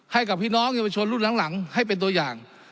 ให้กับพี่น้องพี่ประชวนรุ่นหลังหลังให้เป็นตัวอย่าง